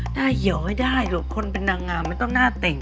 หน้าเหี่ยวไม่ได้หรอกคนเป็นนางงามไม่ต้องหน้าติ่ง